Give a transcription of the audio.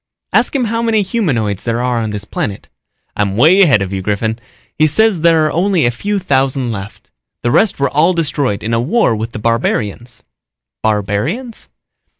"Ask him how many humanoids there are on this planet." "I'm way ahead of you, Griffin. He says there are only a few thousand left. The rest were all destroyed in a war with the barbarians." "Barbarians?"